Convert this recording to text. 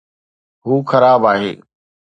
هو خراب آهي